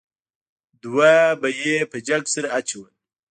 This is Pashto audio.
دوه به یې په جنګ سره اچول.